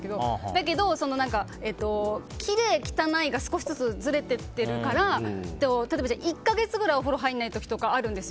だけど、きれい、汚いが少しずつずれていってるから１か月ぐらい入らない時もあるんです。